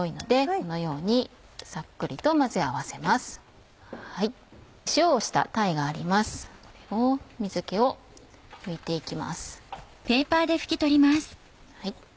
これを水気を拭いて行きます。